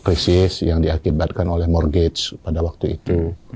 krisis yang diakibatkan oleh morgage pada waktu itu